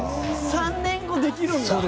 ３年後できるんだ！